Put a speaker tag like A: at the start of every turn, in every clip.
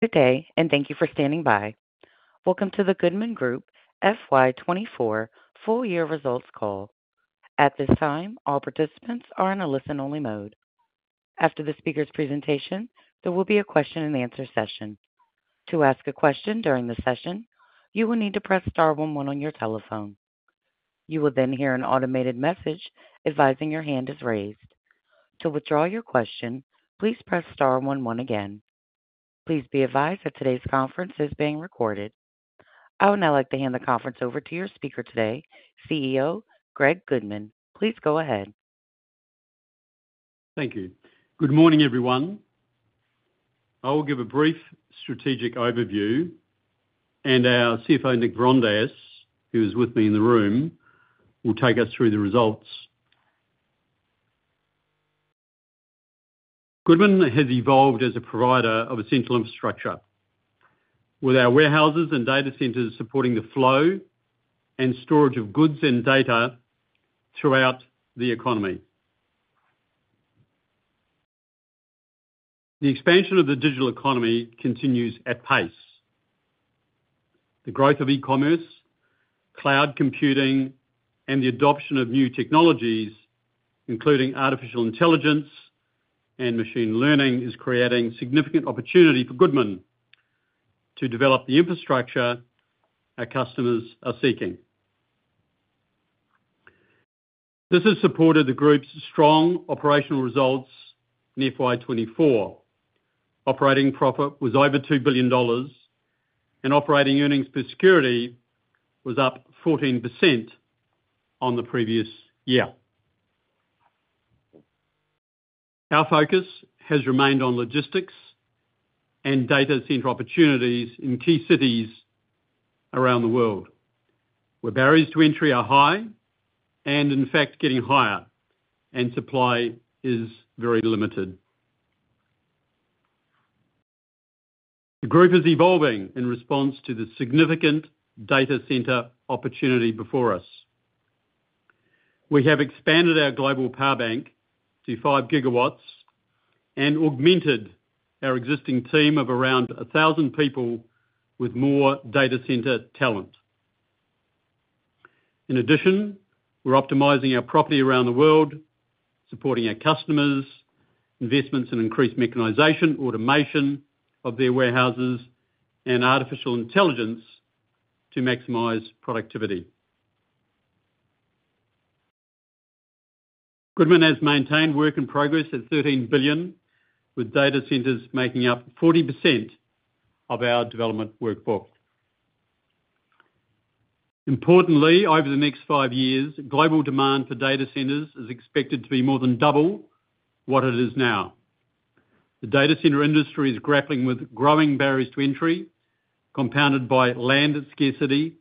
A: Good day, and thank you for standing by. Welcome to the Goodman Group FY24 full year results call. At this time, all participants are in a listen-only mode. After the speaker's presentation, there will be a question and answer session. To ask a question during the session, you will need to press star one one on your telephone. You will then hear an automated message advising your hand is raised. To withdraw your question, please press star one one again. Please be advised that today's conference is being recorded. I would now like to hand the conference over to your speaker today, CEO Greg Goodman. Please go ahead.
B: Thank you. Good morning, everyone. I will give a brief strategic overview, and our CFO, Nick Vrondas, who is with me in the room, will take us through the results. Goodman has evolved as a provider of essential infrastructure, with our warehouses and data centers supporting the flow and storage of goods and data throughout the economy. The expansion of the digital economy continues at pace. The growth of e-commerce, cloud computing, and the adoption of new technologies, including artificial intelligence and machine learning, is creating significant opportunity for Goodman to develop the infrastructure our customers are seeking. This has supported the group's strong operational results in FY 2024. Operating profit was over 2 billion dollars, and operating earnings per security was up 14% on the previous year. Our focus has remained on logistics and data center opportunities in key cities around the world, where barriers to entry are high, and in fact getting higher, and supply is very limited. The group is evolving in response to the significant data center opportunity before us. We have expanded our global power bank to 5 gigawatts and augmented our existing team of around 1,000 people with more data center talent. In addition, we're optimizing our property around the world, supporting our customers' investments in increased mechanization, automation of their warehouses, and artificial intelligence to maximize productivity. Goodman has maintained work in progress at 13 billion, with data centers making up 40% of our development workbook. Importantly, over the next 5 years, global demand for data centers is expected to be more than double what it is now. The data center industry is grappling with growing barriers to entry, compounded by land scarcity,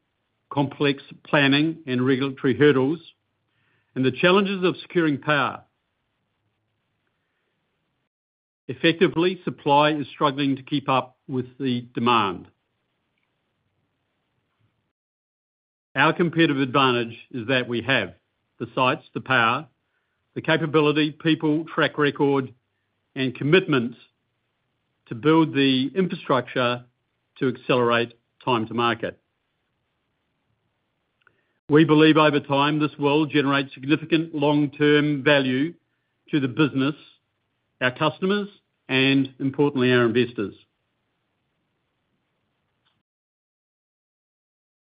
B: complex planning and regulatory hurdles, and the challenges of securing power. Effectively, supply is struggling to keep up with the demand. Our competitive advantage is that we have the sites, the power, the capability, people, track record, and commitments to build the infrastructure to accelerate time to market. We believe over time, this will generate significant long-term value to the business, our customers, and importantly, our investors.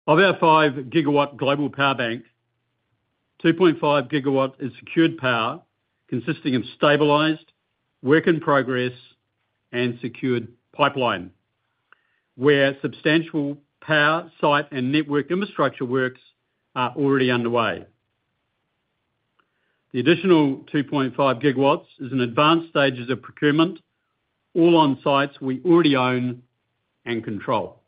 B: Of our 5-gigawatt global power bank, 2.5 gigawatt is secured power, consisting of stabilized work in progress and secured pipeline, where substantial power, site, and network infrastructure works are already underway. The additional 2.5 gigawatts is in advanced stages of procurement, all on sites we already own and control.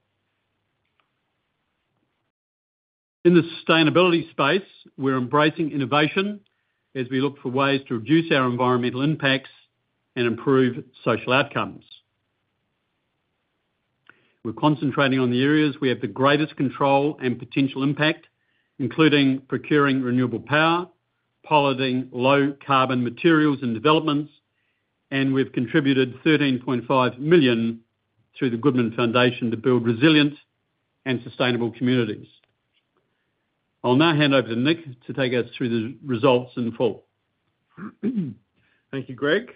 B: In the sustainability space, we're embracing innovation as we look for ways to reduce our environmental impacts and improve social outcomes. We're concentrating on the areas we have the greatest control and potential impact, including procuring renewable power, piloting low carbon materials and developments, and we've contributed 13.5 million through the Goodman Foundation to build resilient and sustainable communities. I'll now hand over to Nick to take us through the results in full.
C: Thank you, Greg.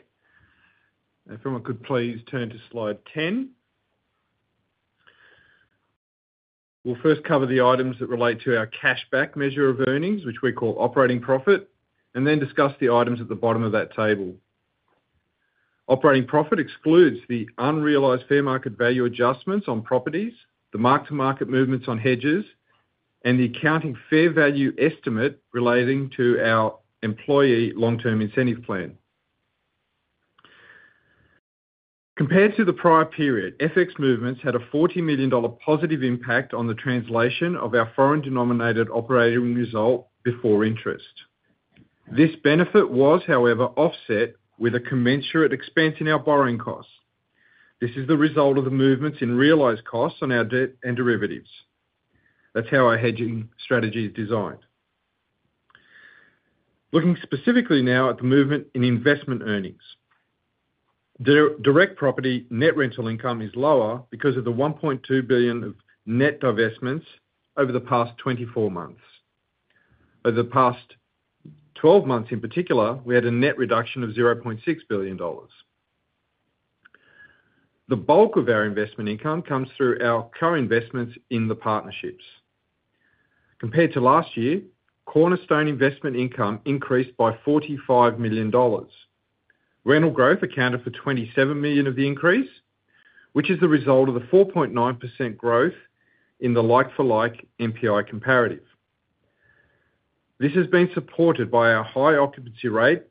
C: If everyone could please turn to slide 10. We'll first cover the items that relate to our cash back measure of earnings, which we call operating profit, and then discuss the items at the bottom of that table. Operating profit excludes the unrealized fair market value adjustments on properties, the mark-to-market movements on hedges, and the accounting fair value estimate relating to our employee long-term incentive plan. Compared to the prior period, FX movements had a 40 million dollar positive impact on the translation of our foreign-denominated operating result before interest. This benefit was, however, offset with a commensurate expense in our borrowing costs. This is the result of the movements in realized costs on our debt and derivatives. That's how our hedging strategy is designed. Looking specifically now at the movement in investment earnings. Direct property net rental income is lower because of the 1.2 billion of net divestments over the past 24 months. Over the past 12 months, in particular, we had a net reduction of 0.6 billion dollars. The bulk of our investment income comes through our co-investments in the partnerships. Compared to last year, cornerstone investment income increased by 45 million dollars. Rental growth accounted for 27 million of the increase, which is the result of the 4.9% growth in the like-for-like NPI comparative. This has been supported by our high occupancy rate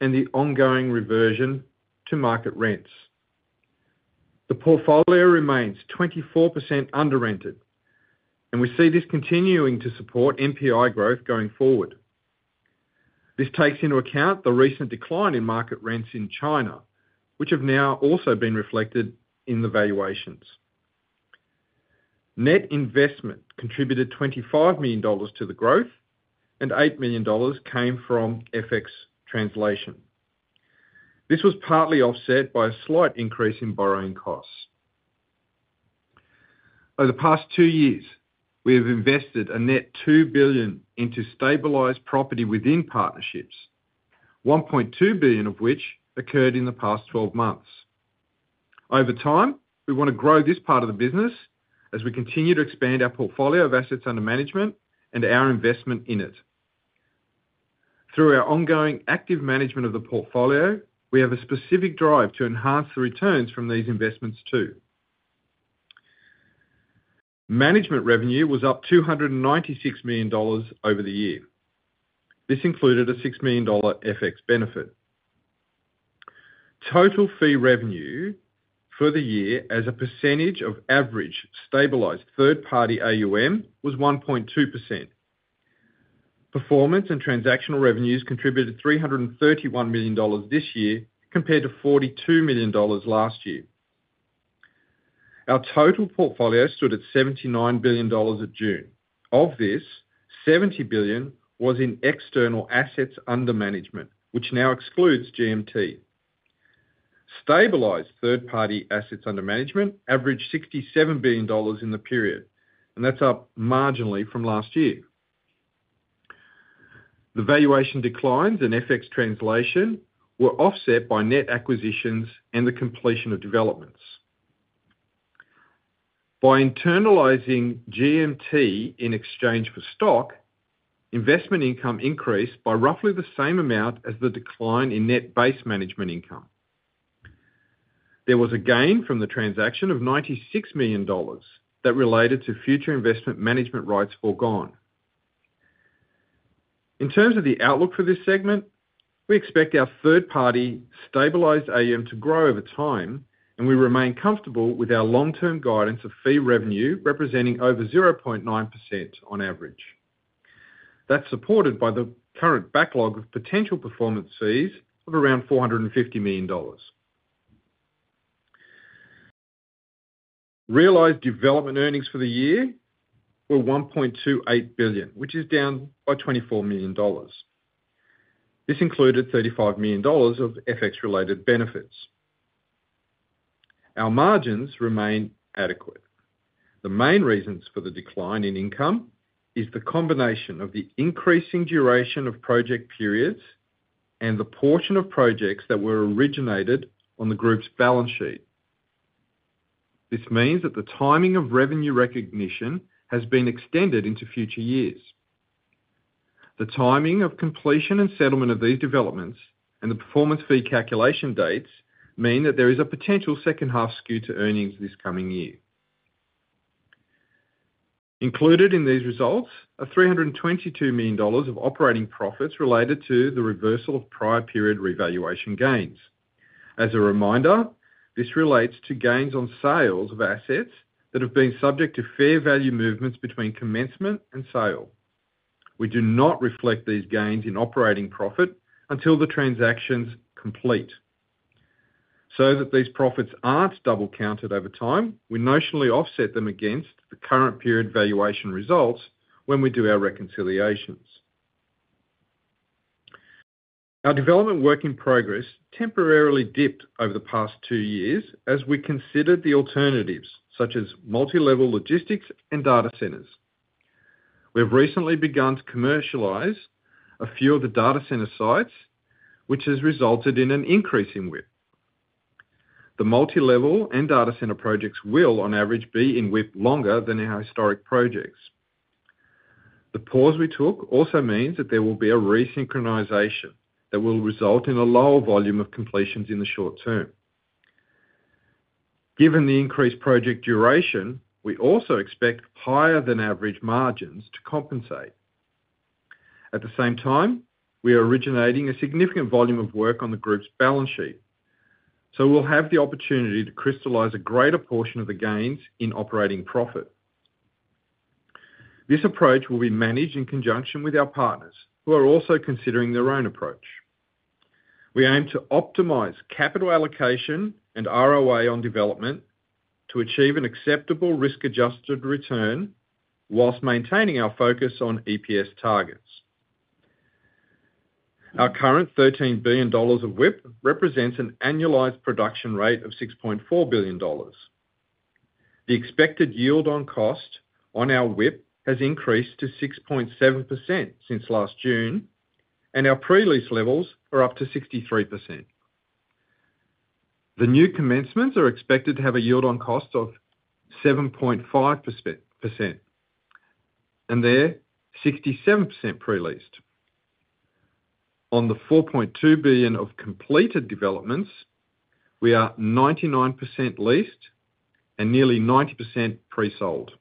C: and the ongoing reversion to market rents. The portfolio remains 24% under-rented, and we see this continuing to support NPI growth going forward. This takes into account the recent decline in market rents in China, which have now also been reflected in the valuations. Net investment contributed $25 million to the growth, and $8 million came from FX translation. This was partly offset by a slight increase in borrowing costs. Over the past 2 years, we have invested a net $2 billion into stabilized property within partnerships, $1.2 billion of which occurred in the past 12 months. Over time, we wanna grow this part of the business as we continue to expand our portfolio of assets under management and our investment in it. Through our ongoing active management of the portfolio, we have a specific drive to enhance the returns from these investments, too. Management revenue was up $296 million over the year. This included a $6 million FX benefit. Total fee revenue for the year as a percentage of average stabilized third-party AUM was 1.2%. Performance and transactional revenues contributed 331 million dollars this year, compared to 42 million dollars last year. Our total portfolio stood at 79 billion dollars at June. Of this, 70 billion was in external assets under management, which now excludes GMT. Stabilized third-party assets under management averaged 67 billion dollars in the period, and that's up marginally from last year. The valuation declines in FX translation were offset by net acquisitions and the completion of developments. By internalizing GMT in exchange for stock, investment income increased by roughly the same amount as the decline in net base management income. There was a gain from the transaction of 96 million dollars that related to future investment management rights foregone. In terms of the outlook for this segment, we expect our third-party stabilized AUM to grow over time, and we remain comfortable with our long-term guidance of fee revenue, representing over 0.9% on average. That's supported by the current backlog of potential performance fees of around 450 million dollars. Realized development earnings for the year were 1.28 billion, which is down by 24 million dollars. This included 35 million dollars of FX-related benefits. Our margins remain adequate. The main reasons for the decline in income is the combination of the increasing duration of project periods and the portion of projects that were originated on the group's balance sheet. This means that the timing of revenue recognition has been extended into future years. The timing of completion and settlement of these developments and the performance fee calculation dates mean that there is a potential second half skew to earnings this coming year. Included in these results are 322 million dollars of operating profits related to the reversal of prior period revaluation gains. As a reminder, this relates to gains on sales of assets that have been subject to fair value movements between commencement and sale. We do not reflect these gains in operating profit until the transactions complete. So that these profits aren't double-counted over time, we notionally offset them against the current period valuation results when we do our reconciliations. Our development work in progress temporarily dipped over the past two years as we considered the alternatives, such as multi-level logistics and data centers. We have recently begun to commercialize a few of the data center sites, which has resulted in an increase in WIP. The multi-level and data center projects will, on average, be in WIP longer than our historic projects. The pause we took also means that there will be a resynchronization that will result in a lower volume of completions in the short term. Given the increased project duration, we also expect higher than average margins to compensate. At the same time, we are originating a significant volume of work on the group's balance sheet, so we'll have the opportunity to crystallize a greater portion of the gains in operating profit. This approach will be managed in conjunction with our partners, who are also considering their own approach.... We aim to optimize capital allocation and ROA on development to achieve an acceptable risk-adjusted return, whilst maintaining our focus on EPS targets. Our current 13 billion dollars of WIP represents an annualized production rate of 6.4 billion dollars. The expected yield on cost on our WIP has increased to 6.7% since last June, and our pre-lease levels are up to 63%. The new commencements are expected to have a yield on cost of 7.5%, and they're 67% pre-leased. On the 4.2 billion of completed developments, we are 99% leased and nearly 90% pre-sold.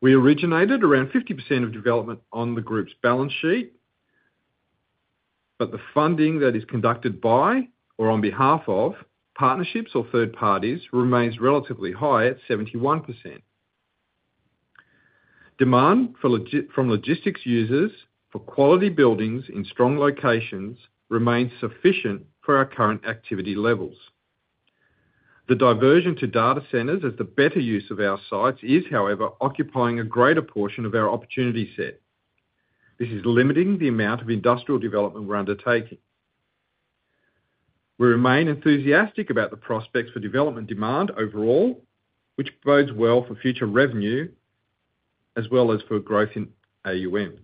C: We originated around 50% of development on the group's balance sheet, but the funding that is conducted by or on behalf of partnerships or third parties remains relatively high at 71%. Demand for logistics from logistics users for quality buildings in strong locations remains sufficient for our current activity levels. The diversion to data centers as the better use of our sites is, however, occupying a greater portion of our opportunity set. This is limiting the amount of industrial development we're undertaking. We remain enthusiastic about the prospects for development demand overall, which bodes well for future revenue, as well as for growth in AUM.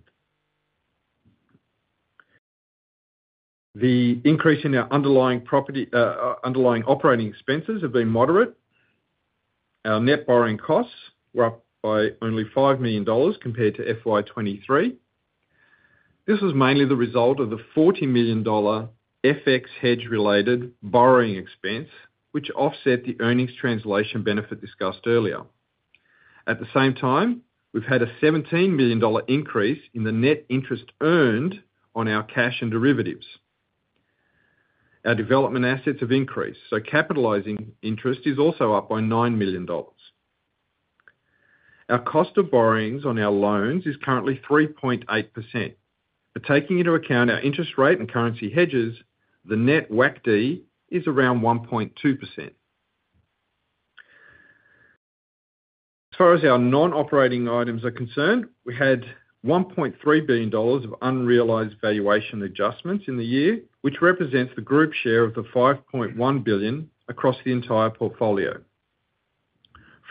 C: The increase in our underlying property underlying operating expenses have been moderate. Our net borrowing costs were up by only 5 million dollars compared to FY 2023. This was mainly the result of the 40 million dollar FX hedge-related borrowing expense, which offset the earnings translation benefit discussed earlier. At the same time, we've had a 17 million dollar increase in the net interest earned on our cash and derivatives. Our development assets have increased, so capitalizing interest is also up by 9 million dollars. Our cost of borrowings on our loans is currently 3.8%, but taking into account our interest rate and currency hedges, the net WACD is around 1.2%. As far as our non-operating items are concerned, we had 1.3 billion dollars of unrealized valuation adjustments in the year, which represents the group share of the 5.1 billion across the entire portfolio.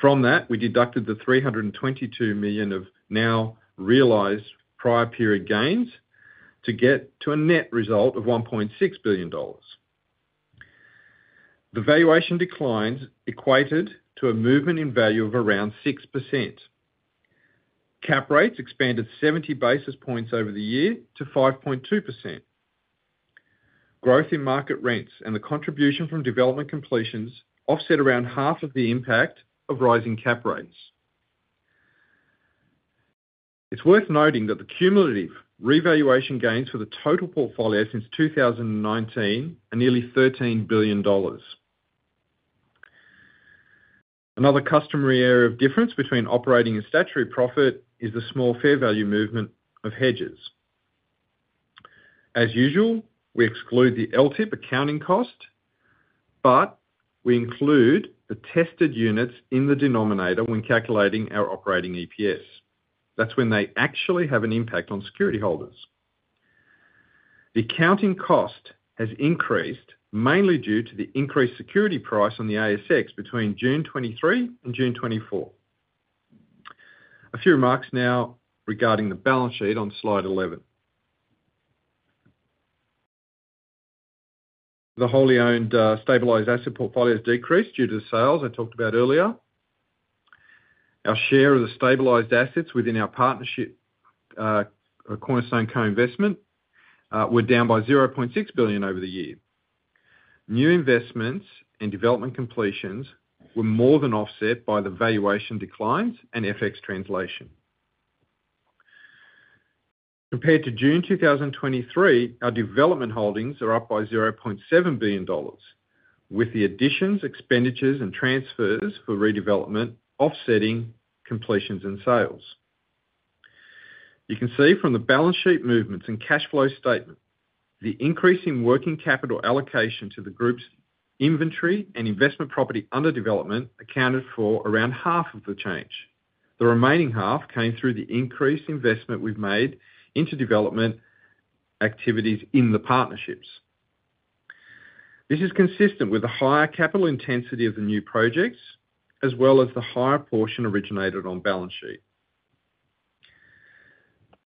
C: From that, we deducted the 322 million of now realized prior period gains to get to a net result of 1.6 billion dollars. The valuation declines equated to a movement in value of around 6%. Cap rates expanded 70 basis points over the year to 5.2%. Growth in market rents and the contribution from development completions offset around half of the impact of rising cap rates. It's worth noting that the cumulative revaluation gains for the total portfolio since 2019 are nearly AUD 13 billion. Another customary area of difference between operating and statutory profit is the small fair value movement of hedges. As usual, we exclude the LTIP accounting cost, but we include the tested units in the denominator when calculating our operating EPS. That's when they actually have an impact on security holders. The accounting cost has increased, mainly due to the increased security price on the ASX between June 2023 and June 2024. A few remarks now regarding the balance sheet on Slide 11. The wholly owned stabilized asset portfolio has decreased due to the sales I talked about earlier. Our share of the stabilized assets within our partnership, Cornerstone co-investment, were down by 0.6 billion over the year. New investments and development completions were more than offset by the valuation declines and FX translation. Compared to June 2023, our development holdings are up by 0.7 billion dollars, with the additions, expenditures, and transfers for redevelopment offsetting completions and sales. You can see from the balance sheet movements and cash flow statement, the increase in working capital allocation to the group's inventory and investment property under development accounted for around half of the change. The remaining half came through the increased investment we've made into development activities in the partnerships. This is consistent with the higher capital intensity of the new projects, as well as the higher portion originated on balance sheet.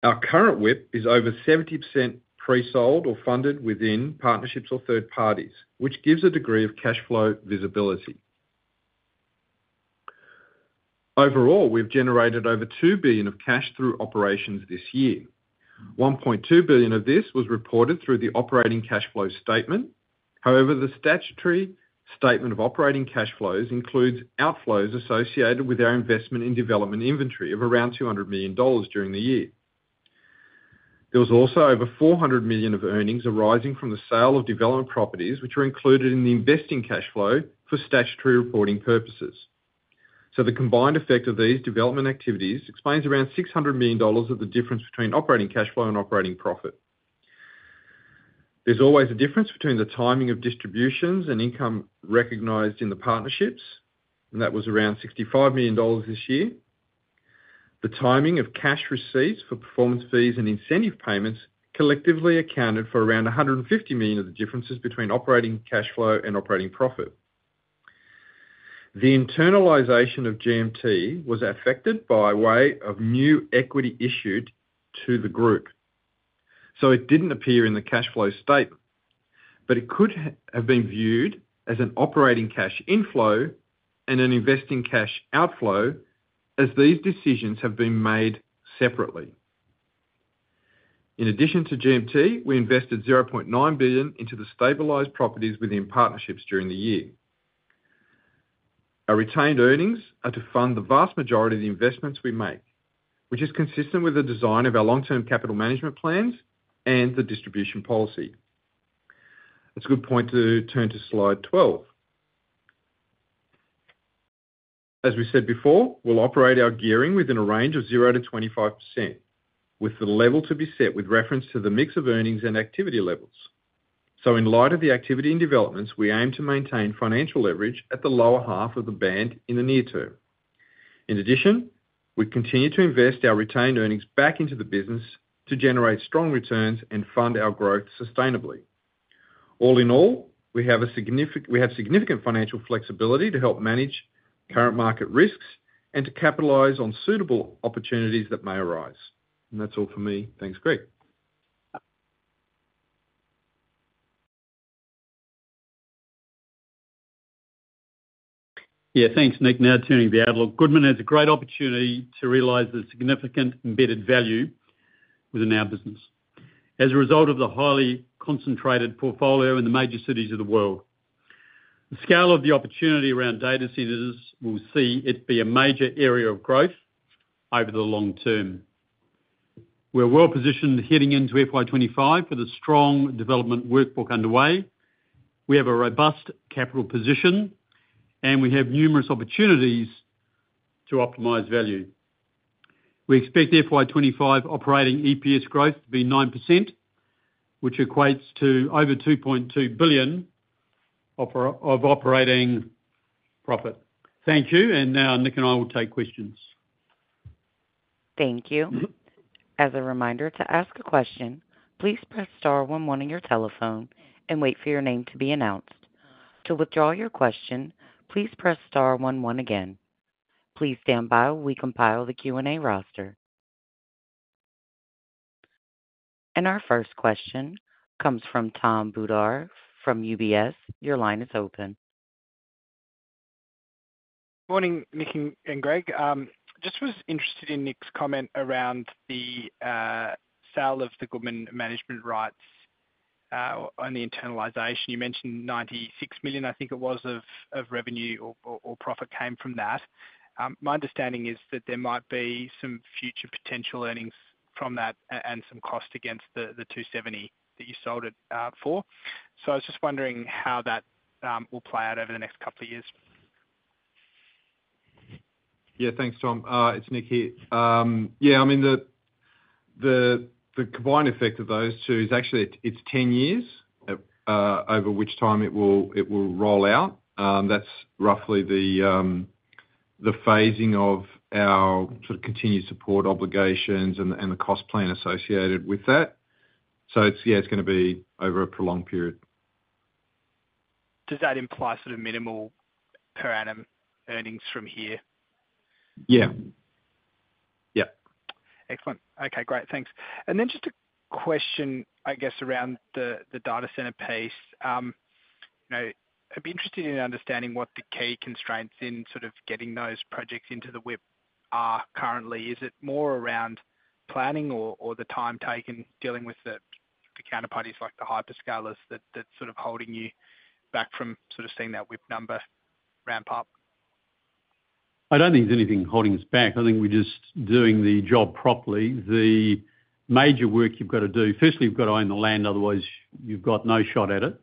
C: Our current WIP is over 70% pre-sold or funded within partnerships or third parties, which gives a degree of cash flow visibility. Overall, we've generated over 2 billion of cash through operations this year. 1.2 billion of this was reported through the operating cash flow statement. However, the statutory statement of operating cash flows includes outflows associated with our investment in development inventory of around 200 million dollars during the year. There was also over 400 million of earnings arising from the sale of development properties, which are included in the investing cash flow for statutory reporting purposes. So the combined effect of these development activities explains around 600 million dollars of the difference between operating cash flow and operating profit. There's always a difference between the timing of distributions and income recognized in the partnerships, and that was around 65 million dollars this year. The timing of cash receipts for performance fees and incentive payments collectively accounted for around 150 million of the differences between operating cash flow and operating profit. The internalization of GMT was affected by way of new equity issued to the group. So it didn't appear in the cash flow statement, but it could have been viewed as an operating cash inflow and an investing cash outflow, as these decisions have been made separately. In addition to GMT, we invested AUD 0.9 billion into the stabilized properties within partnerships during the year. Our retained earnings are to fund the vast majority of the investments we make, which is consistent with the design of our long-term capital management plans and the distribution policy. It's a good point to turn to slide 12. As we said before, we'll operate our gearing within a range of 0%-25%, with the level to be set with reference to the mix of earnings and activity levels. In light of the activity and developments, we aim to maintain financial leverage at the lower half of the band in the near term. In addition, we continue to invest our retained earnings back into the business to generate strong returns and fund our growth sustainably. All in all, we have significant financial flexibility to help manage current market risks and to capitalize on suitable opportunities that may arise. That's all for me. Thanks, Greg. Yeah, thanks, Nick. Now turning to the outlook. Goodman has a great opportunity to realize the significant embedded value within our business as a result of the highly concentrated portfolio in the major cities of the world. The scale of the opportunity around data centers will see it be a major area of growth over the long term. We're well positioned heading into FY 25 with a strong development workbook underway. We have a robust capital position, and we have numerous opportunities to optimize value. We expect the FY 25 operating EPS growth to be 9%, which equates to over 2.2 billion of operating profit. Thank you, and now Nick and I will take questions.
A: Thank you. As a reminder, to ask a question, please press star one one on your telephone and wait for your name to be announced. To withdraw your question, please press star one one again. Please stand by while we compile the Q&A roster. Our first question comes from Tom Bodor from UBS. Your line is open.
D: Morning, Nick and Greg. Just was interested in Nick's comment around the sale of the Goodman management rights on the internalization. You mentioned 96 million, I think it was, of revenue or profit came from that. My understanding is that there might be some future potential earnings from that and some cost against the 270 million that you sold it for. I was just wondering how that will play out over the next couple of years.
C: Yeah, thanks, Tom. It's Nick here. Yeah, I mean, the combined effect of those two is actually it's 10 years over which time it will roll out. That's roughly the phasing of our sort of continued support obligations and the cost plan associated with that. So it's, yeah, it's gonna be over a prolonged period.
D: Does that imply sort of minimal per annum earnings from here?
C: Yeah. Yep.
D: Excellent. Okay, great. Thanks. Then just a question, I guess, around the data center piece. You know, I'd be interested in understanding what the key constraints in sort of getting those projects into the WIP are currently. Is it more around planning or the time taken dealing with the counterparties, like the hyperscalers, that's sort of holding you back from sort of seeing that WIP number ramp up?
B: I don't think there's anything holding us back. I think we're just doing the job properly. The major work you've got to do: firstly, you've got to own the land, otherwise you've got no shot at it.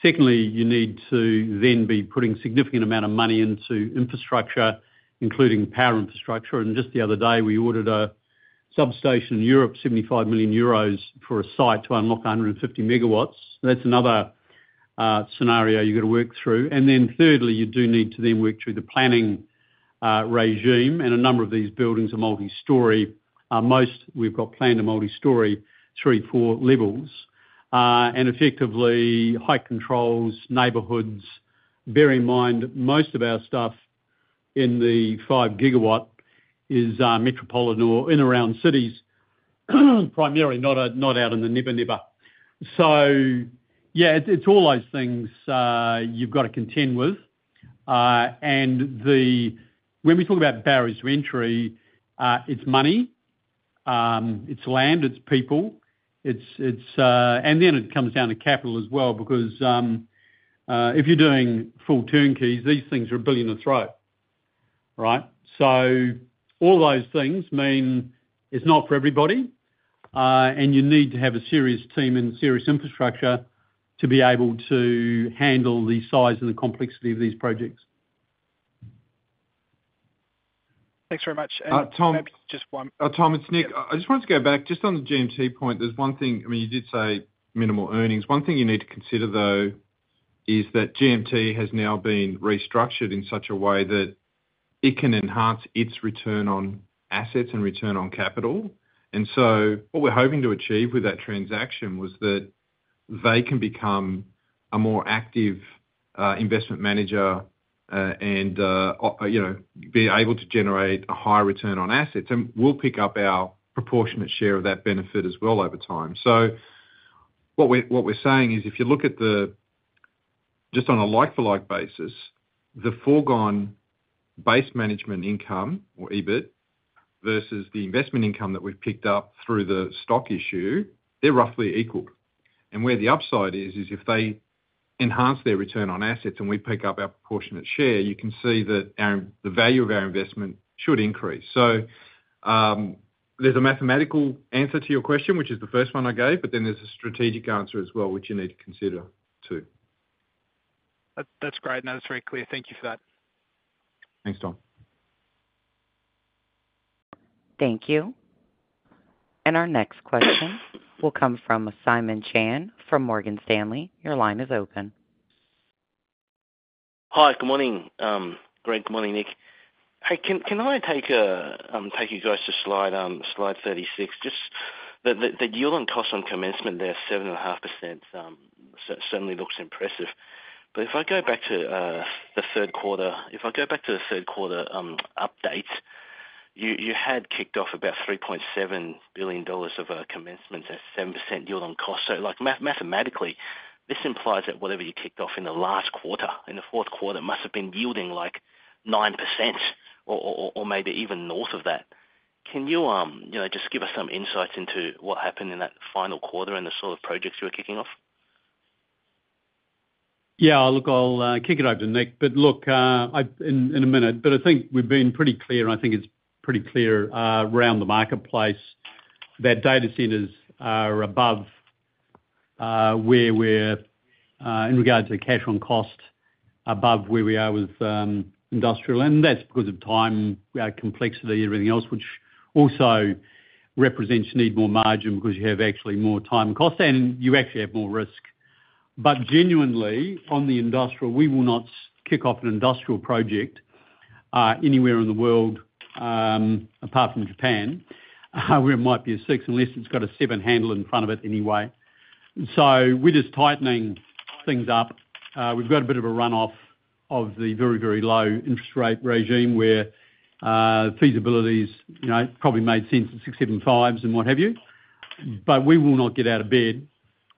B: Secondly, you need to then be putting significant amount of money into infrastructure, including power infrastructure. And just the other day, we ordered a substation in Europe, 75 million euros, for a site to unlock 150 MW. That's another scenario you've got to work through. And then thirdly, you do need to then work through the planning regime, and a number of these buildings are multi-story. Most we've got planned are multi-story, 3, 4 levels. Effectively, height controls, neighborhoods. Bear in mind, most of our stuff in the 5 gigawatt is, metropolitan or in and around cities, primarily not, not out in the nibba nibba. So yeah, it's, it's all those things, you've got to contend with. When we talk about barriers to entry, it's money, it's land, it's people, then it comes down to capital as well, because, if you're doing full turnkeys, these things are 1 billion a throw, right? All those things mean it's not for everybody and you need to have a serious team and serious infrastructure to be able to handle the size and the complexity of these projects.
D: Thanks very much.
C: Tom, it's Nick. I just wanted to go back just on the GMT point. There's one thing you did say minimal earnings. One thing you need to consider, though, is that GMT has now been restructured in such a way that it can enhance its return on assets and return on capital. What we're hoping to achieve with that transaction was that they can become a more active, investment manager, and be able to generate a higher return on assets. And we'll pick up our proportionate share of that benefit as well over time. What we're saying is, if you look at the, just on a like-for-like basis, the foregone base management income or EBIT, versus the investment income that we've picked up through the stock issue, they're roughly equal. Where the upside is, is if they enhance their return on assets, and we pick up our proportionate share, you can see that our, the value of our investment should increase. So, there's a mathematical answer to your question, which is the first one I gave, but then there's a strategic answer as well, which you need to consider, too.
D: That, that's great. No, that's very clear. Thank you for that.
B: Thanks, Tom.
A: Thank you. And our next question will come from Simon Chan from Morgan Stanley. Your line is open.
E: Hi, good morning, Greg. Good morning, Nick. Hey, can I take you guys to slide 36? Just the yield on cost on commencement there, 7.5%, certainly looks impressive. if I go back to the third quarter update, you had kicked off about 3.7 billion dollars of commencements at 7% yield on cost. Like, mathematically, this implies that whatever you kicked off in the last quarter, in the fourth quarter, must have been yielding, like, 9% or maybe even north of that. Can you, you know, just give us some insights into what happened in that final quarter and the sort of projects you were kicking off?
B: Yeah, look, I'll kick it over to Nick. Look, in a minute, but I think we've been pretty clear, and I think it's pretty clear around the marketplace that data centers are above where we're in regards to cash on cost, above where we are with industrial, and that's because of time, complexity, everything else, which also represents you need more margin because you have actually more time and cost, and you actually have more risk. Genuinely, on the industrial, we will not kick off an industrial project anywhere in the world, apart from Japan, where it might be a six, unless it's got a seven handle in front of it anyway. We're just tightening things up. We've got a bit of a runoff of the very, very low interest rate regime, where, feasibilities, you know, it probably made sense at 6, 7, 5s and what have you. We will not get out of bed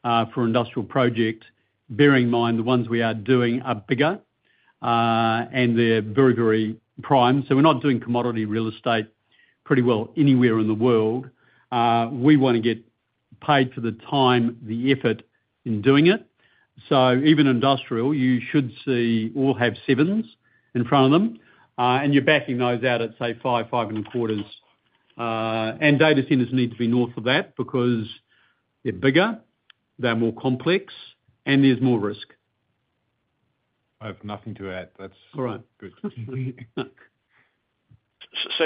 B: for industrial project, bearing in mind the ones we are doing are bigger, and they're very, very prime. So we're not doing commodity real estate pretty well anywhere in the world. We want to get paid for the time, the effort in doing it. Even industrial, you should see, all have 7s in front of them. You're backing those out at say, 5, 5.25. And data centers need to be north of that because they're bigger, they're more complex, and there's more risk.
C: I have nothing to add. That's-
B: All right.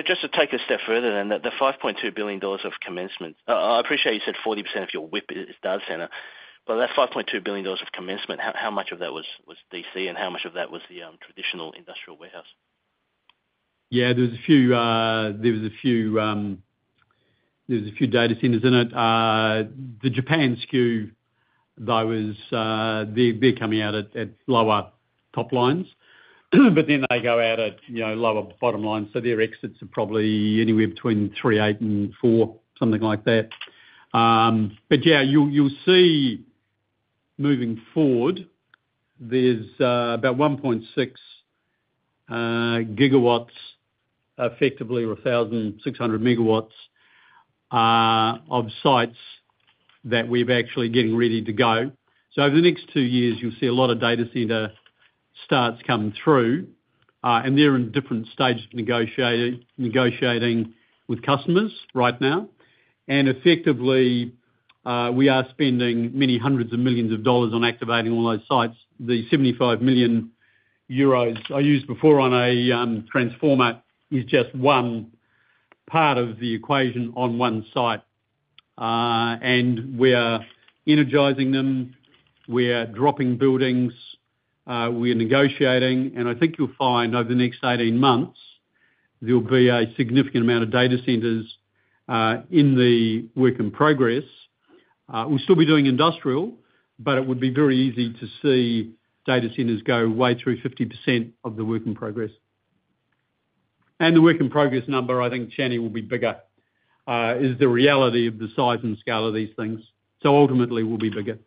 E: Just to take a step further then, the 5.2 billion dollars of commencement. I appreciate you said 40% of your WIP is data center, but that 5.2 billion dollars of commencement, how much of that was DC, and how much of that was the traditional industrial warehouse?
B: Yeah, there's a few data centers in it. The Japan SKU, though, was, they, they're coming out at lower top lines, but then they go out at, you know, lower bottom lines. So their exits are probably anywhere between 3.8 and 4, something like that. But yeah, you'll see, moving forward, there's about 1.6 gigawatts, effectively, or 1,600 megawatts, of sites that we're actually getting ready to go. So over the next two years, you'll see a lot of data center starts coming through, and they're in different stages of negotiating with customers right now. And effectively, we are spending many hundreds of millions of AUD on activating all those sites. The 75 million euros I used before on a transformer is just one part of the equation on one site. And we are energizing them, we are dropping buildings, we are negotiating, and I think you'll find over the next 18 months, there'll be a significant amount of data centers in the work in progress. We'll still be doing industrial, but it would be very easy to see data centers go way through 50% of the work in progress. And the work in progress number, I think, Channy, will be bigger is the reality of the size and scale of these things. Ultimately, we'll be bigger.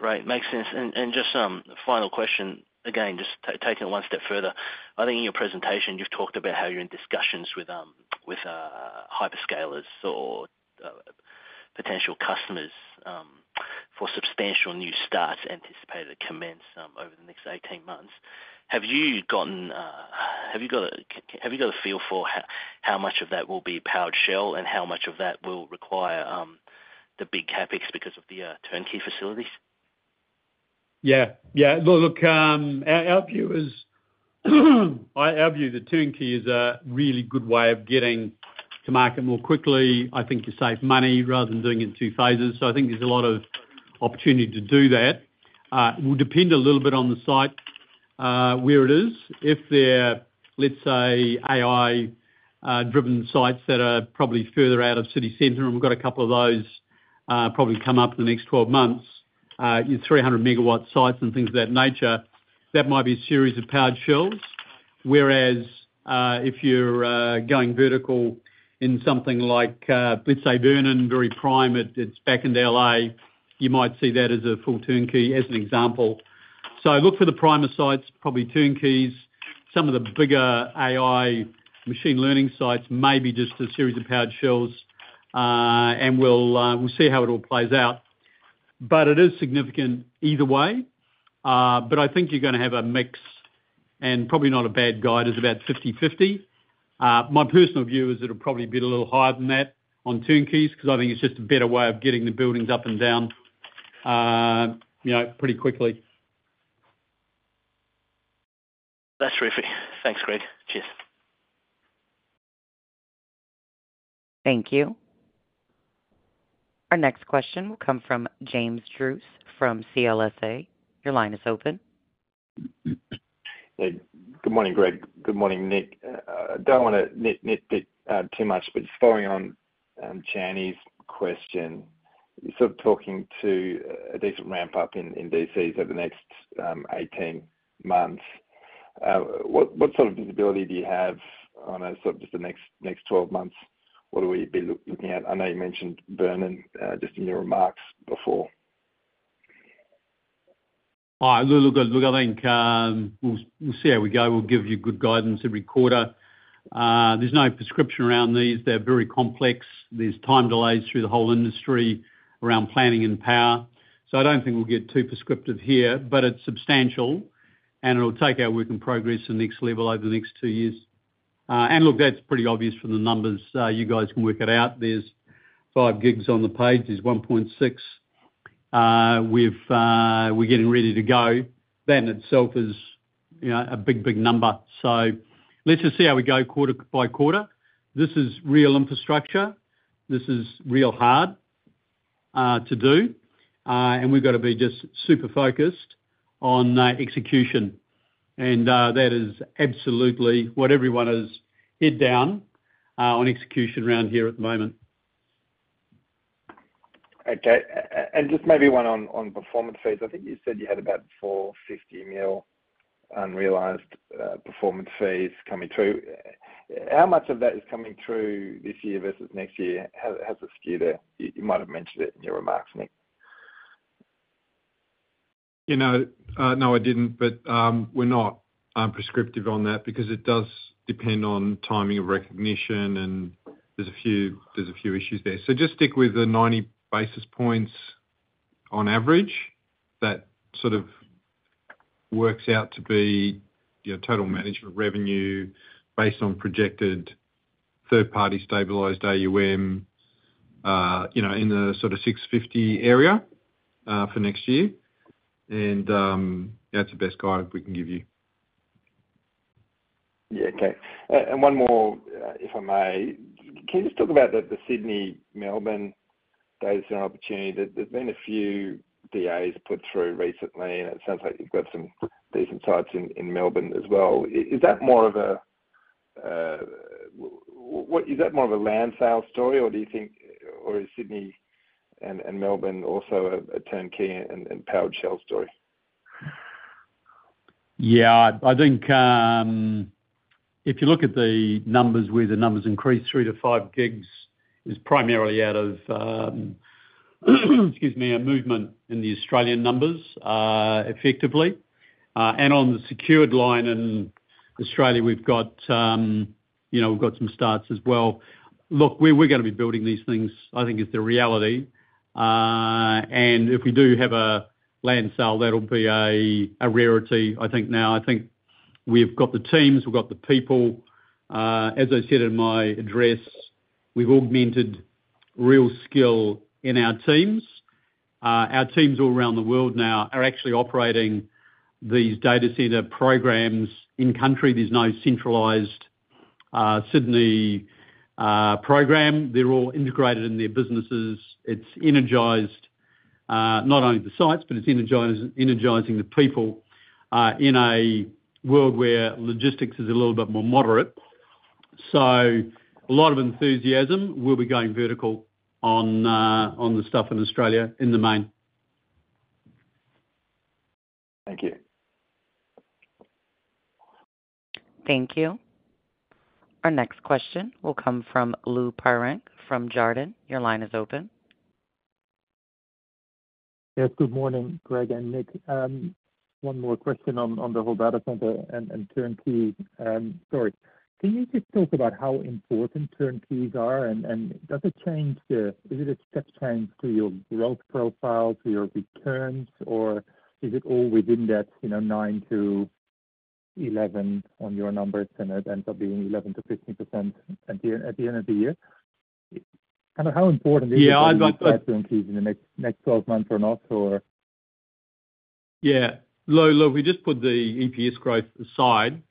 E: Great, makes sense. Just final question, again, just taking it one step further. I think in your presentation, you've talked about how you're in discussions with hyperscalers or potential customers for substantial new starts anticipated to commence over the next 18 months. Have you got a feel for how much of that will be powered shell, and how much of that will require the big CapEx because of the turnkey facilities?
B: Yeah. Yeah. Well, look, our view is, the turnkey is a really good way of getting to market more quickly. I think you save money rather than doing it in two phases, so I think there's a lot of opportunity to do that. Will depend a little bit on the site, where it is. If they're, let's say, AI driven sites that are probably further out of city center, and we've got a couple of those, probably come up in the next 12 months, your 300-megawatt sites and things of that nature, that might be a series of powered shells. Whereas, if you're going vertical in something like, let's say Vernon, very prime, it's back into L.A., you might see that as a full turnkey, as an example. Look for the premier sites, probably turnkeys. Some of the bigger AI machine learning sites may be just a series of powered shells, and we'll see how it all plays out. But it is significant either way, but I think you're gonna have a mix, and probably not a bad guide is about 50/50. My personal view is it'll probably be a little higher than that on turnkeys, 'cause I think it's just a better way of getting the buildings up and down, pretty quickly.
E: That's terrific. Thanks, Greg. Cheers.
A: Thank you. Our next question will come from James Druce from CLSA. Your line is open.
F: Hey. Good morning, Greg. Good morning, Nick. I don't wanna nitpick too much, but just following on Chan's question. You're sort of talking to a decent ramp up in DCs over the next 18 months. What sort of visibility do you have on a sort of just the next 12 months? What will we be looking at? I know you mentioned Vernon just in your remarks before.
B: Look, I think, we'll, we'll see how we go. We'll give you good guidance every quarter. There's no prescription around these. They're very complex. There's time delays through the whole industry around planning and power, so I don't think we'll get too prescriptive here. It's substantial, and it'll take our work in progress to the next level over the next two years. Look, that's pretty obvious from the numbers. You guys can work it out. There's 5 gigs on the page. There's 1.6. We're getting ready to go. That in itself is a big, big number. Let's just see how we go quarter by quarter. This is real infrastructure. This is real hard to do, and we've going be just super focused on execution. That is absolutely what everyone is head down on execution around here at the moment.
F: Okay. Just maybe one on performance fees. I think you said you had about 450 million unrealized performance fees coming through. How much of that is coming through this year versus next year? How's it skewed there? You might have mentioned it in your remarks, Nick.
C: You know, no, I didn't, but, we're not prescriptive on that because it does depend on timing of recognition, and there's a few issues there. Just stick with the 90 basis points on average. That works out to be total management revenue based on projected third-party stabilized AUM, in the 650 area, for next year, and, that's the best guide we can give you.
F: Yeah, okay. One more, if I may. Can you just talk about the Sydney, Melbourne data center opportunity? There, there's been a few DAs put through recently, and it sounds like you've got some decent sites in Melbourne as well. Is that more of what, is that more of a land sale story, or do you think, or is Sydney and Melbourne also a turnkey and powered shell story?
B: Yeah, I think, if you look at the numbers, where the numbers increased 3-5 gigs, is primarily out of, excuse me, a movement in the Australian numbers, effectively. And on the secured line in Australia, we've got, you know, we've got some starts as well. Look, we're gonna be building these things, I think it's the reality. And if we do have a land sale, that'll be a rarity. I think now, we've got the teams, we've got the people. As I said in my address, we've augmented real skill in our teams. Our teams all around the world now are actually operating these data center programs in country. There's no centralized Sydney program. They're all integrated in their businesses. It's energized, not only the sites, but it's energizing, energizing the people, in a world where logistics is a little bit more moderate. So a lot of enthusiasm. We'll be going vertical on, on the stuff in Australia in the main.
F: Thank you.
A: Thank you. Our next question will come from Lou Pirenc from Jarden. Your line is open.
G: Yes, good morning, Greg and Nick. One more question on the whole data center and turnkey. Sorry, can you just talk about how important turnkeys are? And does it change? Is it a step change to your growth profile, to your returns, or is it all within that, you know, 9%-11% on your numbers, and it ends up being 11%-15% at the end of the year? I don't know, how important is it?
B: Yeah, I've got.
G: To increase in the next twelve months or not, or?
B: Yeah. Lou, look, we just put the EPS growth aside.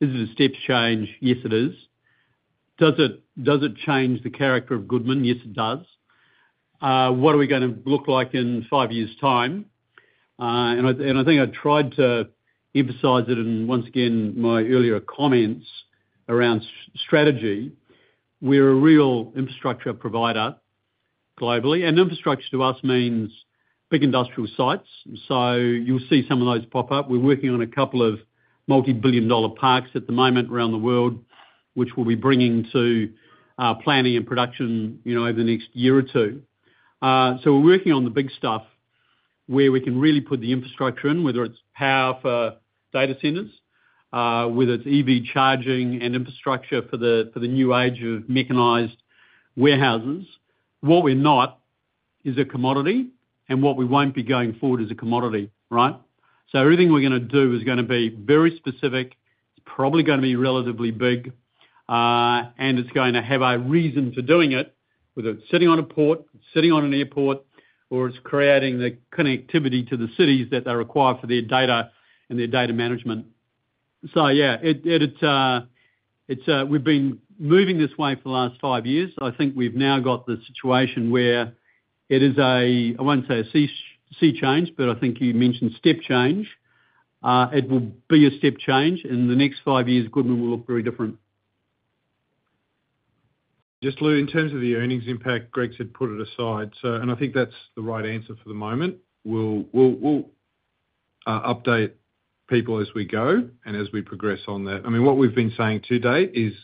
B: Is it a step change? Yes, it is. Does it, does it change the character of Goodman? Yes, it does. What are we gonna look like in five years' time? I think I tried to emphasize it, and once again, my earlier comments around strategy, we're a real infrastructure provider globally, and infrastructure to us means big industrial sites. You'll see some of those pop up. We're working on a couple of multi-billion-dollar parks at the moment around the world, which we'll be bringing to planning and production, you know, over the next year or two. We're working on the big stuff, where we can really put the infrastructure in, whether it's power for data centers, whether it's EV charging and infrastructure for the new age of mechanized warehouses. What we're not is a commodity, and what we won't be going forward is a commodity, right? Everything we're gonna do is gonna be very specific. It's probably gonna be relatively big, and it's going to have a reason for doing it, whether it's sitting on a port, sitting on an airport, or it's creating the connectivity to the cities that are required for their data and their data management. Yeah, we've been moving this way for the last five years. I think we've now got the situation where it is a, I won't say a sea, sea change, but I think you mentioned step change. It will be a step change, and in the next five years, Goodman will look very different.
C: Just, Lou, in terms of the earnings impact, Greg said put it aside. I think that's the right answer for the moment. We'll update people as we go and as we progress on that. I mean, what we've been saying to date is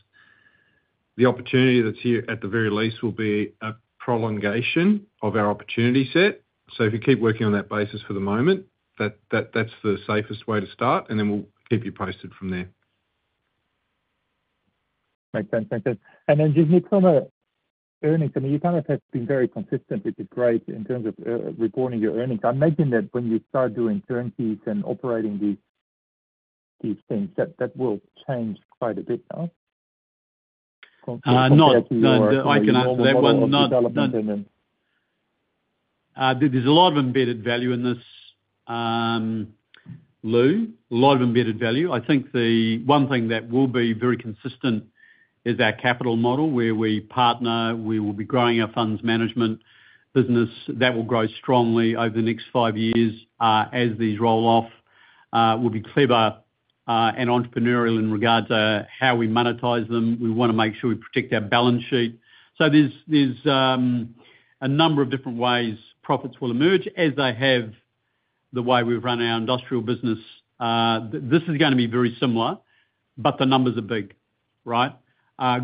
C: the opportunity that's here, at the very least, will be a prolongation of our opportunity set. If you keep working on that basis for the moment, that's the safest way to start, and then we'll keep you posted from there.
G: Make sense. Thank you. Then, Nick, from a earnings, I mean, you have been very consistent, which is great, in terms of, reporting your earnings. I'm imagining that when you start doing turnkeys and operating these things, that that will change quite a bit now?
B: No, I can answer that one. There's a lot of embedded value in this, Lou. A lot of embedded value. I think the one thing that will be very consistent is our capital model, where we partner, we will be growing our funds management business. That will grow strongly over the next five years as these roll off. We'll be clever and entrepreneurial in regards to how we monetize them. We want to make sure we protect our balance sheet. There's a number of different ways profits will emerge, as they have the way we've run our industrial business. This is going to be very similar, but the numbers are big, right?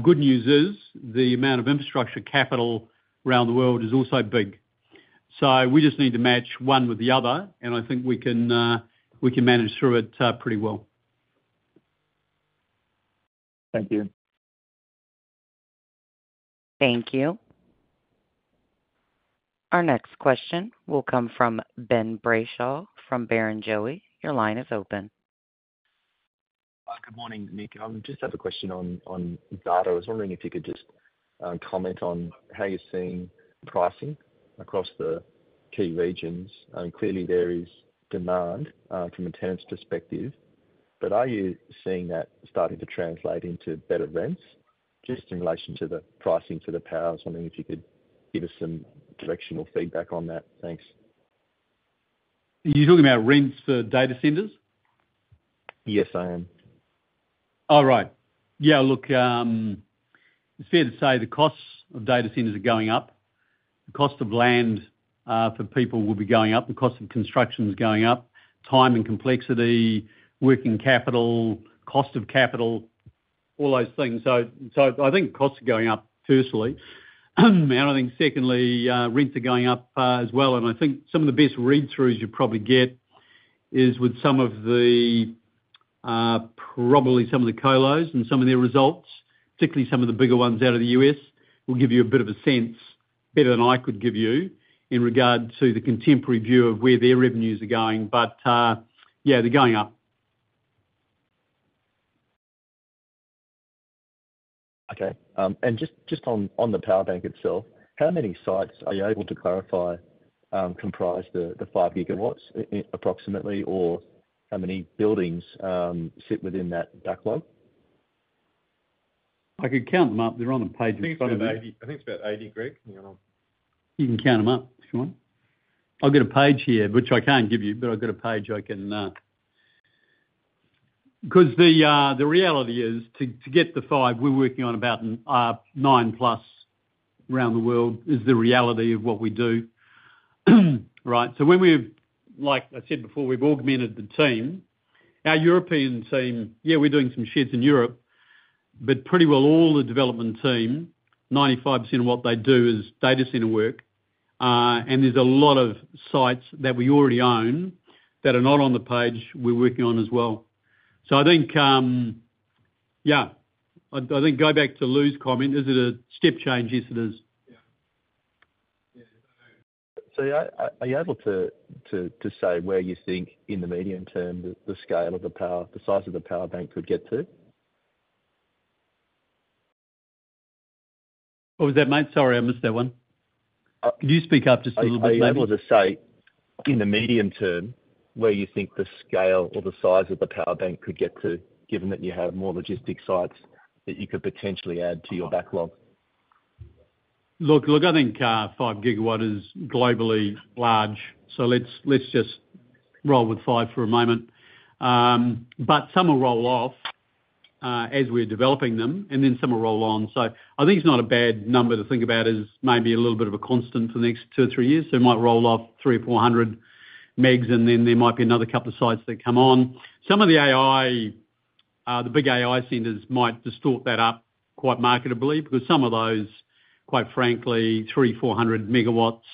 B: Good news is, the amount of infrastructure capital around the world is also big. We just need to match one with the other, and I think we can, we can manage through it, pretty well.
G: Thank you.
A: Thank you. Our next question will come from Ben Brayshaw from Barrenjoey. Your line is open.
H: Good morning, Nick. Just have a question on data. I was wondering if you could just comment on how you're seeing pricing across the key regions. And clearly there is demand from a tenant's perspective, but are you seeing that starting to translate into better rents? Just in relation to the pricing for the power, I was wondering if you could give us some directional feedback on that. Thanks.
B: You're talking about rents for data centers?
H: Yes, I am.
B: Oh, right. Yeah, look, it's fair to say the costs of data centers are going up. The cost of land, for people will be going up, the cost of construction is going up, time and complexity, working capital, cost of capital, all those things. I think costs are going up, firstly. And I think secondly, rents are going up, as well. I think some of the best read-throughs you'll probably get is with some of the, probably some of the colos and some of their results, particularly some of the bigger ones out of the U.S., will give you a bit of a sense, better than I could give you, in regard to the contemporary view of where their revenues are going. But, yeah, they're going up.
H: Okay, and just on the power bank itself, how many sites are you able to clarify comprise the 5 gigawatts approximately, or how many buildings sit within that backlog?
B: I could count them up. They're on the page in front of me.
C: I think it's about 80. I think it's about 80, Greg.
B: You can count them up, if you want. I've got a page here, which I can't give you, but I've got a page I can. 'Cause the reality is, to get the 5, we're working on about 9+ around the world, is the reality of what we do. Right? So when we've, like I said before, we've augmented the team. Our European team, yeah, we're doing some sheds in Europe, but pretty well all the development team, 95% of what they do is data center work. And there's a lot of sites that we already own that are not on the page we're working on as well. So I think, yeah, I think go back to Lou's comment. Is it a step change? Yes, it is.
H: Yeah. Are you able to say where you think in the medium term, the scale of the power, the size of the power bank could get to?
B: What was that, mate? Sorry, I missed that one. Could you speak up just a little bit maybe?
H: Are you able to say, in the medium term, where you think the scale or the size of the power bank could get to, given that you have more logistics sites that you could potentially add to your backlog?
B: Look, look, I think, five gigawatt is globally large, so let's, let's just roll with five for a moment. But some will roll off, as we're developing them, and then some will roll on. I think it's not a bad number to think about as maybe a little bit of a constant for the next two or three years. It might roll off 300 or 400 megs, and then there might be another couple of sites that come on. Some of the AI, the big AI centers might distort that up quite markedly, because some of those, quite frankly, 300, 400 megawatts,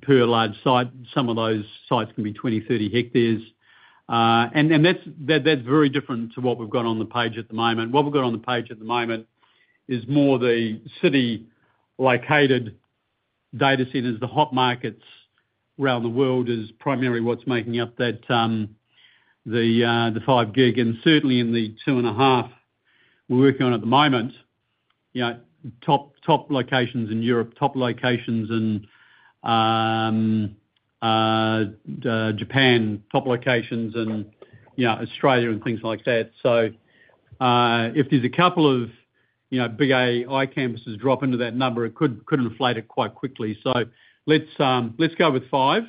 B: per large site, some of those sites can be 20, 30 hectares. That's very different to what we've got on the page at the moment. What we've got on the page at the moment is more the city-located data centers. The hot markets around the world is primarily what's making up that, the 5 gig, and certainly in the 2.5 we're working on at the moment. You know, top, top locations in Europe, top locations in, Japan, top locations in, you know, Australia and things like that. So, if there's a couple of, you know, big AI campuses drop into that number, it couldn't inflate it quite quickly. So let's, let's go with 5,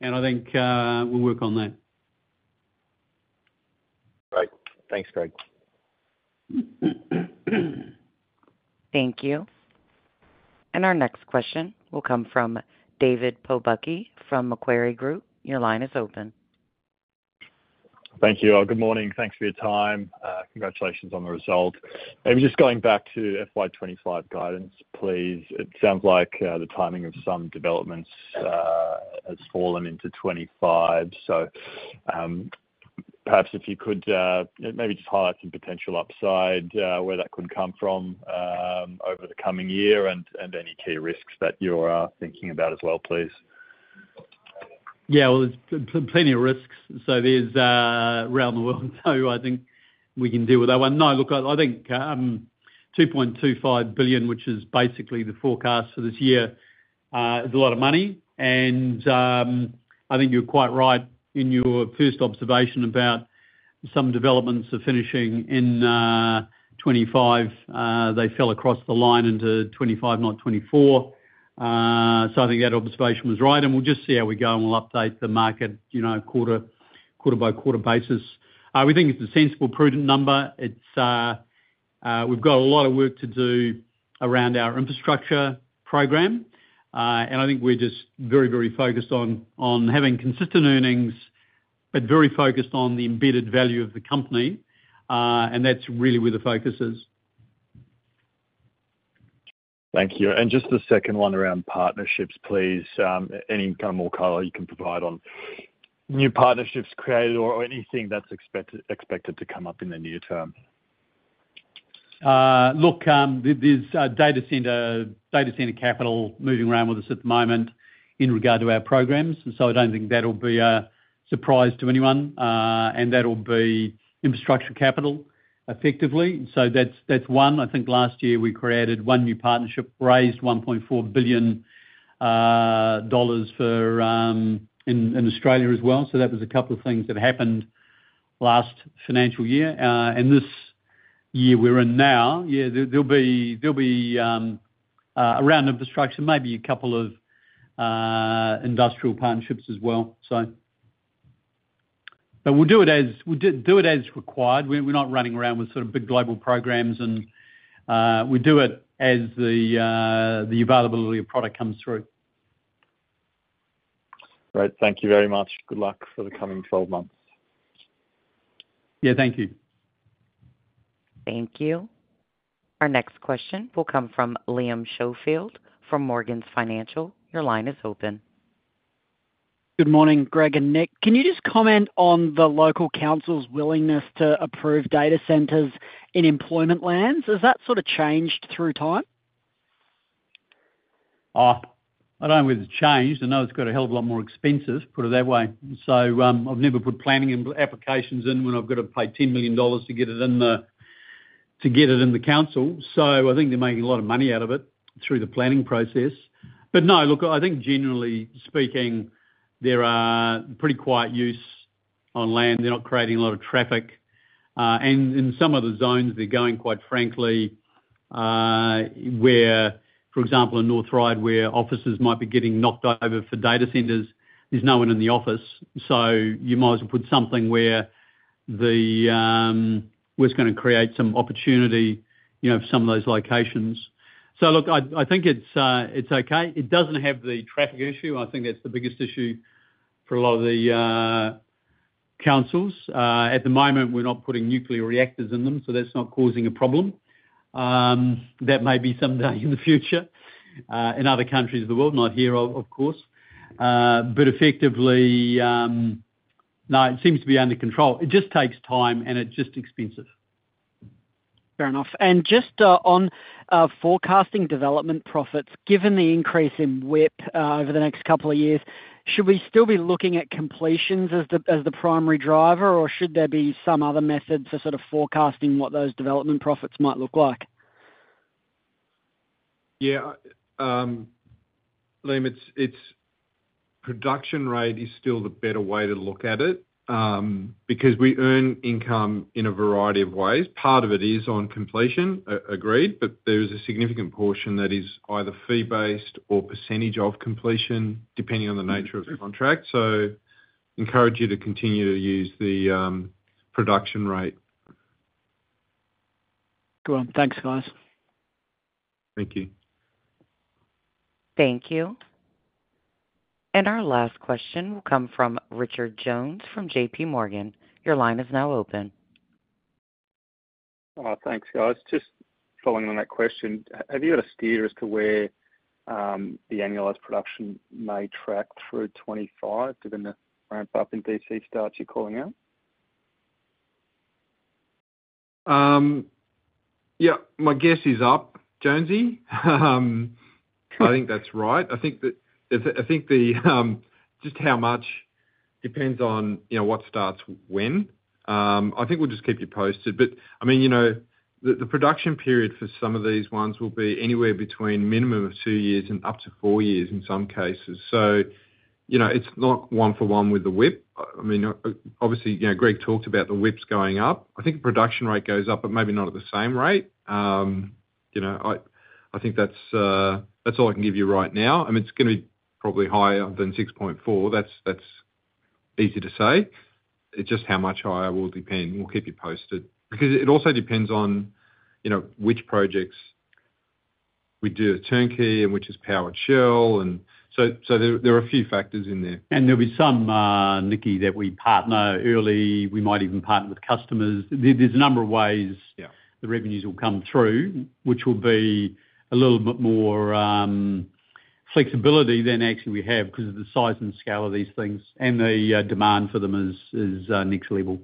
B: and I think, we'll work on that.
H: Great. Thanks, Greg.
A: Thank you. Our next question will come from David Pobucky from Macquarie Group. Your line is open.
I: Thank you. Good morning. Thanks for your time. Congratulations on the result. Maybe just going back to FY 25 guidance, please. It sounds like the timing of some developments has fallen into 25. So, perhaps if you could maybe just highlight some potential upside where that could come from over the coming year, and, and any key risks that you're thinking about as well, please.
B: Yeah, well, there's plenty of risks. There's around the world, so I think we can deal with that one. No, look, I think 2.25 billion, which is basically the forecast for this year, is a lot of money. I think you're quite right in your first observation about some developments are finishing in 2025. They fell across the line into 2025, not 2024. I think that observation was right, and we'll just see how we go, and we'll update the market, you know, quarter-by-quarter basis. We think it's a sensible, prudent number. We've got a lot of work to do around our infrastructure program, and I think we're just very, very focused on having consistent earnings, but very focused on the embedded value of the company, and that's really where the focus is.
I: Thank you. And just the second one around partnerships, please. Any more color you can provide on new partnerships created or anything that's expected to come up in the near term?
B: Look, there's a data center, data center capital moving around with us at the moment in regard to our programs, and so I don't think that'll be a surprise to anyone, and that'll be infrastructure capital, effectively. So that's one. I think last year we created one new partnership, raised 1.4 billion dollars for in Australia as well. So that was a couple of things that happened last financial year. And this year we're in now, there'll be around infrastructure, maybe a couple of industrial partnerships as well. So... But we'll do it as we'll do it as required. We're not running around with sort of big global programs and we do it as the availability of product comes through.
I: Great. Thank you very much. Good luck for the coming 12 months.
B: Yeah, thank you.
A: Thank you. Our next question will come from Liam Schofield, from Morgans Financial. Your line is open.
J: Good morning, Greg and Nick. Can you just comment on the local council's willingness to approve data centers in employment lands? Has that sort of changed through time?
B: I don't know whether it's changed. I know it's got a hell of a lot more expenses, put it that way. I've never put planning and applications in when I've got to pay 10 million dollars to get it in the, to get it in the council. So I think they're making a lot of money out of it through the planning process. But no, look, I think generally speaking, there are pretty quiet use on land. They're not creating a lot of traffic, and in some of the zones, they're going, quite frankly, where, for example, in North Ryde, where offices might be getting knocked over for data centers, there's no one in the office. So you might as well put something where we're just gonna create some opportunity, you know, for some of those locations. Look, I think it's okay. It doesn't have the traffic issue. I think that's the biggest issue for a lot of the councils. At the moment, we're not putting nuclear reactors in them, so that's not causing a problem. That may be someday in the future in other countries of the world, not here, of course. But effectively, no, it seems to be under control. It just takes time, and it's just expensive.
J: Fair enough. And just on forecasting development profits, given the increase in WIP over the next couple of years, should we still be looking at completions as the primary driver, or should there be some other method to sort of forecasting what those development profits might look like?
C: Yeah. Liam, it's production rate is still the better way to look at it, because we earn income in a variety of ways. Part of it is on completion, agreed, but there is a significant portion that is either fee-based or percentage of completion, depending on the nature of the contract. Encourage you to continue to use the production rate.
J: Cool. Thanks, guys.
C: Thank you.
A: Thank you. Our last question will come from Richard Jones from JP Morgan. Your line is now open.
K: Thanks, guys. Just following on that question. Have you got a steer as to where the annualized production may track through 2025, given the ramp-up in DC starts you're calling out?
C: Yeah, my guess is up, Jonesy. I think that's right. I think that... I think the, just how much depends on, you know, what starts when. I think we'll just keep you posted, but I mean, you know, the, the production period for some of these ones will be anywhere between minimum of two years and up to four years in some cases. So, you know, it's not one for one with the WIP. I, I mean, obviously, you know, Greg talked about the WIPs going up. I think production rate goes up, but maybe not at the same rate. You know, I, I think that's, that's all I can give you right now, and it's gonna be probably higher than 6.4. That's, that's easy to say. It's just how much higher will depend. We'll keep you posted. Because it also depends on, you know, which projects we do a turnkey and which [we do as] powered shell, and so there are a few factors in there.
B: There'll be some, Nicky, that we partner early. We might even partner with customers. There's a number of ways-
C: Yeah
B: The revenues will come through, which will be a little bit more flexibility than actually we have, 'cause of the size and scale of these things, and the demand for them is next level.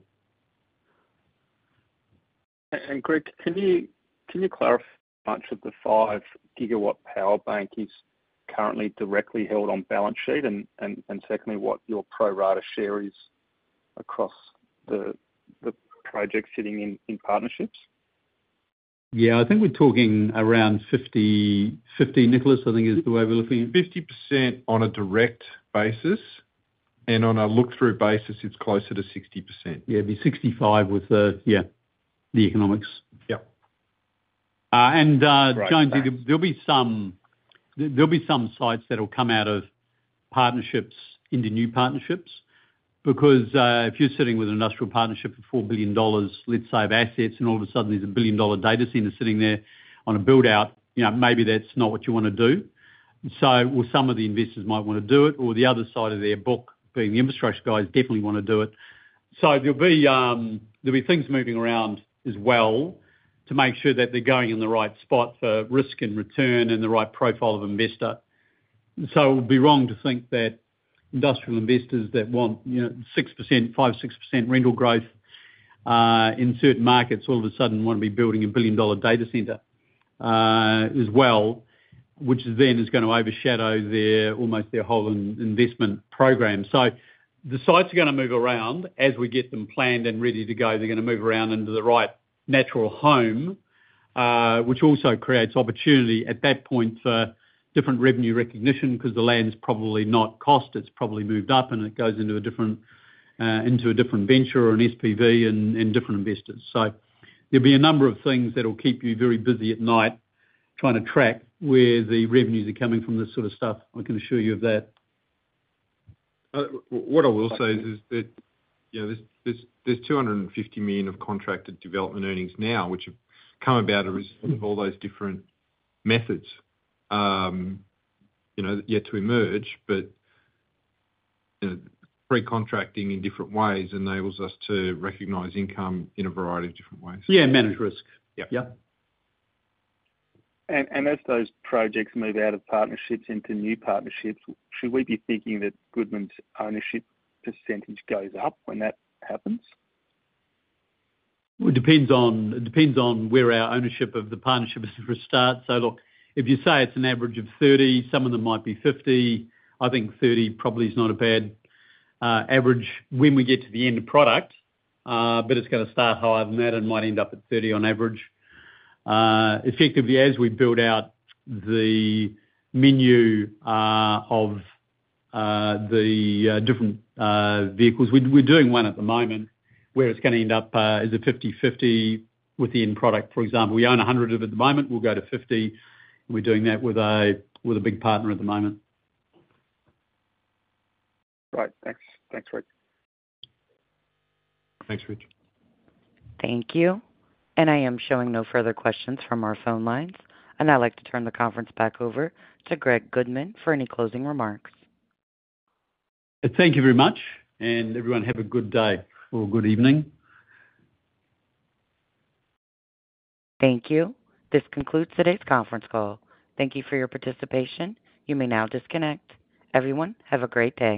K: Greg, can you clarify how much of the 5 gigawatt power bank is currently directly held on balance sheet? Secondly, what your pro rata share is across the project sitting in partnerships?
B: Yeah, I think we're talking around 50... 50, Nicholas, I think, is the way we're looking?
C: 50% on a direct basis, and on a look-through basis, it's closer to 60%.
B: Yeah, it'd be 65 with the, yeah, the economics.
C: Yep.
B: Uh, and, uh-
K: Great, thanks
B: Jonesy, there'll be some, there'll be some sites that will come out of partnerships into new partnerships, because if you're sitting with an industrial partnership of 4 billion dollars, let's say, of assets, and all of a sudden there's a billion-dollar data center sitting there on a build-out, you know, maybe that's not what you wanna do. So well, some of the investors might wanna do it, or the other side of their book, being the infrastructure guys, definitely wanna do it. There'll be, there'll be things moving around as well to make sure that they're going in the right spot for risk and return and the right profile of investor. It would be wrong to think that industrial investors that want, you know, 6%, 5%-6% rental growth in certain markets all of a sudden want to be building a billion-dollar data center as well, which then is gonna overshadow their, almost their whole investment program. The sites are gonna move around as we get them planned and ready to go. They're gonna move around into the right natural home, which also creates opportunity at that point for different revenue recognition, 'cause the land's probably not cost. It's probably moved up, and it goes into a different venture or an SPV and different investors. There'll be a number of things that will keep you very busy at night, trying to track where the revenues are coming from, this sort of stuff. I can assure you of that.
C: What I will say is that, you know, there's 250 million of contracted development earnings now, which have come about as a result of all those different methods. You know, yet to emerge, but, you know, pre-contracting in different ways enables us to recognize income in a variety of different ways.
B: Yeah, manage risk.
C: Yep.
B: Yeah.
K: As those projects move out of partnerships into new partnerships, should we be thinking that Goodman's ownership percentage goes up when that happens?
B: Well, it depends on where our ownership of the partnership is for a start. So look, if you say it's an average of 30, some of them might be 50. I think 30 probably is not a bad average when we get to the end product, but it's gonna start higher than that and might end up at 30 on average. Effectively, as we build out the menu of the different vehicles, we're doing one at the moment where it's gonna end up as a 50/50 with the end product. For example, we own 100 of it at the moment. We'll go to 50. We're doing that with a big partner at the moment.
K: Right. Thanks. Thanks, Greg.
C: Thanks, Richard.
A: Thank you. I am showing no further questions from our phone lines. I'd now like to turn the conference back over to Greg Goodman for any closing remarks.
B: Thank you very much, and everyone, have a good day or good evening.
A: Thank you. This concludes today's conference call. Thank you for your participation. You may now disconnect. Everyone, have a great day.